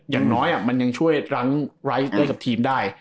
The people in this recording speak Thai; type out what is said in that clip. อย่างน้อยมันยังช่วยรั้งไรซ์ด้วยกับทีมได้